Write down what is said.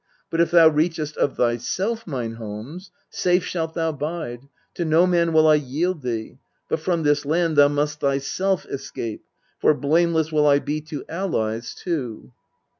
But if thou readiest of thyself mine homes, Safe shalt thou bide : to no man will I yield thee. But from this land thou must thyself escape ; For blameless will I be to allies too.